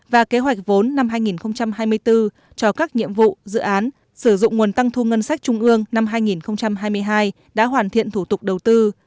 và kế hoạch vốn năm hai nghìn hai mươi bốn cho các nhiệm vụ dự án sử dụng nguồn tăng thu ngân sách trung ương năm hai nghìn hai mươi hai đã hoàn thiện thủ tục đầu tư